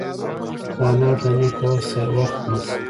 د انار دانې کول وخت نیسي.